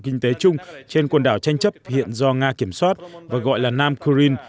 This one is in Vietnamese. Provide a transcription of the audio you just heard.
kinh tế chung trên quần đảo tranh chấp hiện do nga kiểm soát và gọi là nam kurin